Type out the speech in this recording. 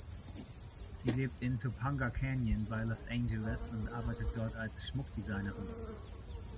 Sie lebt in Topanga Canyon bei Los Angeles und arbeitet dort als Schmuckdesignerin.